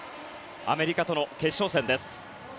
アメリカとの決勝戦です。